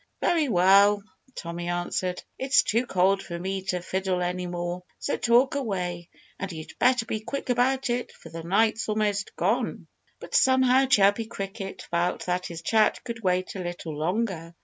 "Very well!" Tommy answered. "It's too cold for me to fiddle any more. So talk away! And you'd better be quick about it, for the night's almost gone." But somehow Chirpy Cricket felt that his chat could wait a little longer.